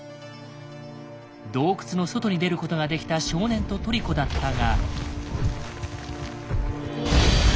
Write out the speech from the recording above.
洞窟の外に出ることができた少年とトリコだったが。